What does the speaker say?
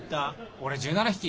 俺１７匹。